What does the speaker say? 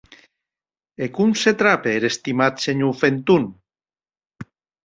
E com se trape er estimat senhor Fenton?